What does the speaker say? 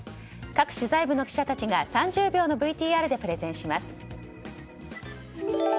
各取材部の記者たちが３０秒のＶＴＲでプレゼンします。